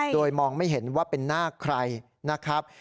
โดยมองไม่เห็นว่าเป็นหน้าใครนะครับ